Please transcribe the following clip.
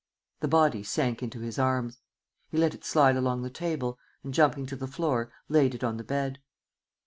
The body sank into his arms. He let it slide along the table and, jumping to the floor, laid it on the bed.